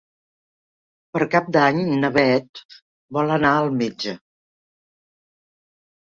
Per Cap d'Any na Bet vol anar al metge.